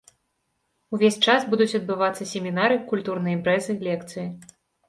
Увесь час будуць адбывацца семінары, культурныя імпрэзы, лекцыі.